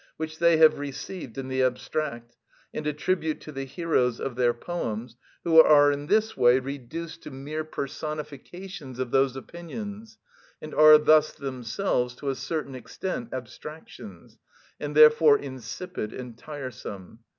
which they have received in the abstract, and attribute to the heroes of their poems, who are in this way reduced to mere personifications of those opinions, and are thus themselves to a certain extent abstractions, and therefore insipid and tiresome.